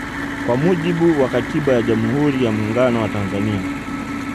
Kwa mujibu wa katiba ya jamhuri ya Muungano wa Tanzania